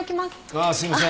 ああすいません。